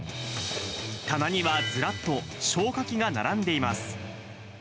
棚にはずらっと消火器が並んでいます。